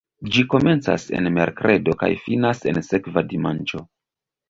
Ĝi komencas en merkredo kaj finas en sekva dimanĉo.